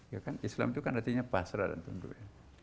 ya kan islam itu kan artinya pasrah dan tunduk